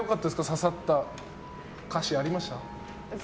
ささった歌詞、ありました？